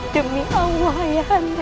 demi allah ayahanda